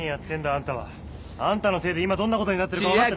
あんたは。あんたのせいで今どんなことになってるか分かって。